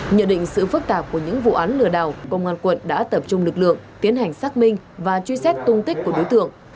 nhờ định sự phức tạp của những vụ án lừa đảo công an quận đã tập trung lực lượng tiến hành xác minh và truy xét tung tích của đối tượng